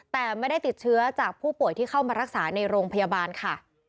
แต่ไม่ได้ติดเชื้อจากผู้ป่วยที่เข้ามารักษาในโรงพยาบาลค่ะ